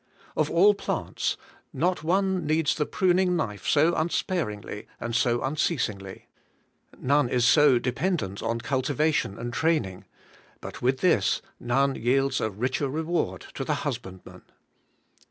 Of all plants, not one needs the pruning knife so unspar ingly and so unceasingly. None is so dependent on cultivation and training, but with this none yields a richer reward to the husbandman.